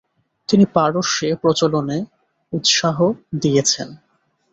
তিনি পারস্যে প্রচলনে উৎসাহ দিয়েছেন।